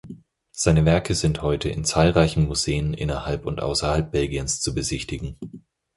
Seine Werke sind heute in zahlreichen Museen innerhalb und außerhalb Belgiens zu besichtigen.